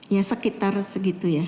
ya sekitar segitu ya